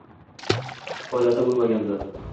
foydasi bo’lmaganda